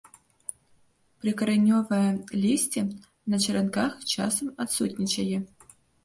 Прыкаранёвае лісце на чаранках, часам адсутнічае.